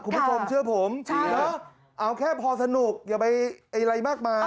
คุณผู้ชมเชื่อผมเอาแค่พอสนุกอย่าไปอะไรมากมาย